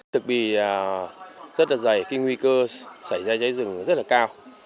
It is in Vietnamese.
thực bị rất là dày cái nguy cơ xảy ra cháy rừng rất là cao